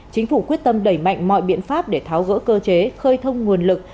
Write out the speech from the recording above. chính phủ quyết tâm đẩy mạnh mọi biện pháp để tháo gỡ cơ chế khơi thông nguồn lực